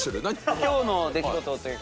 今日の出来事というか。